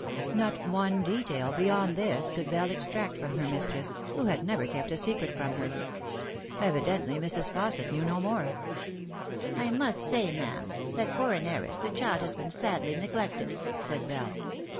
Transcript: Not one detail beyond this could Bell extract from her mistress, who had never kept a secret from her. Evidently Mrs. Fausset knew no more. 22 The Fatal Three. " I must say, ma'am, that for an heiress the child has been sadly neglected," said Bell.